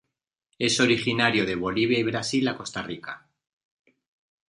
Es originario de Bolivia y Brasil a Costa Rica.